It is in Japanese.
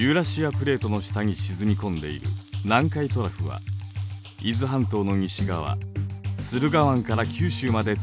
プレートの下に沈み込んでいる南海トラフは伊豆半島の西側駿河湾から九州まで続いています。